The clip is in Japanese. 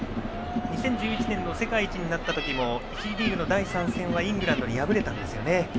２０１１年の世界一になった時も１次リーグの第３戦はイングランドに敗れたんですよね。